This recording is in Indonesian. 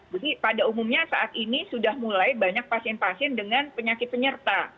jadi pada umumnya saat ini sudah mulai banyak pasien pasien dengan penyakit penyerta